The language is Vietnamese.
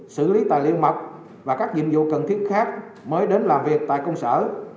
xử lý tài liệu mật và các nhiệm vụ cần thiết khác mới đến làm việc tại công sở